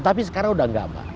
tapi sekarang sudah tidak mbak